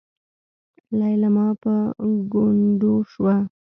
ليلما په ګونډو شوه.